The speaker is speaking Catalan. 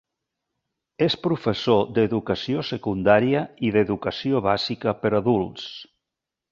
És professor d'educació secundària i d'educació bàsica per a adults.